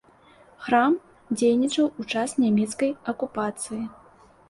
Храм дзейнічаў у час нямецкай акупацыі.